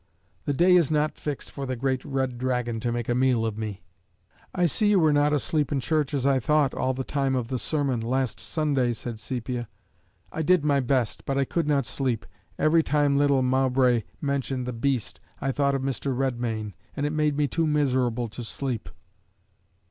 The day is not fixed for the great red dragon to make a meal of me." "I see you were not asleep in church, as I thought, all the time of the sermon, last Sunday," said Sepia. "I did my best, but I could not sleep: every time little Mowbray mentioned the beast, I thought of Mr. Redmain; and it made me too miserable to sleep."